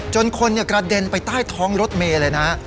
จนคนกระเด็นไปใต้ท้องรถเมย์เลยนะ